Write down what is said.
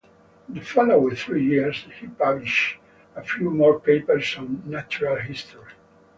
In the following three years, he published a few more papers on natural history.